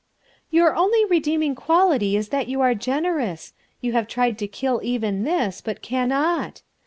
"Your only redeeming quality is that you are generous. You have tried to kill even this, but cannot.